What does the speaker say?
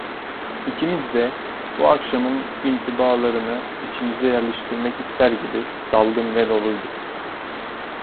İkimiz de, bu akşamın intibalarıni içimize yerleştirmek ister gibi dalgın ve doluyduk.